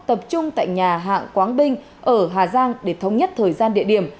tập trung tại nhà hạng quán binh ở hà giang để thống nhất thời gian địa điểm